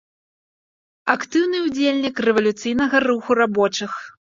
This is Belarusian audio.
Актыўны ўдзельнік рэвалюцыйнага руху рабочых.